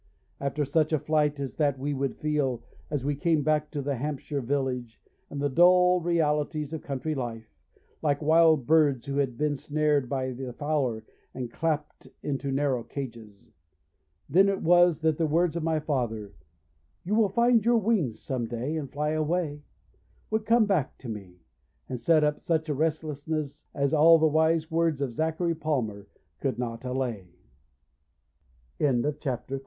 After such a flight as that we would feel, as we came back to the Hampshire village and the dull realities of country life, like wild birds who had been snared by the fowler and clapped into narrow cages. Then it was that the words of my father, 'You will find your wings some day and fly away,' would come back to me, and set up such a restlessness as all the wise words of Zachary Palmer could not